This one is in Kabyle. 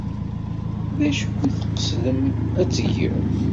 D acu i tqesdem ad t-tgem?